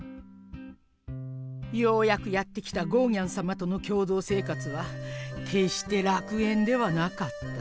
ようやくやって来たゴーギャンさまとの共同生活はけっして楽園ではなかった。